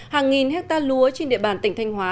hàng nghìn hecta lúa trên địa bàn tỉnh thanh hóa